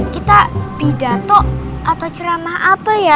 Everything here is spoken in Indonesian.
kita pidato atau ceramah apa ya